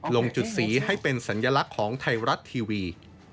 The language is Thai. ลงจุดสีให้เป็นสัญลักษณ์ของไทยรัฐทีวี